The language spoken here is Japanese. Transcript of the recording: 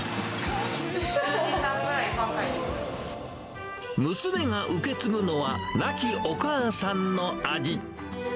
週２、３回、娘が受け継ぐのは、亡きお母さんの味。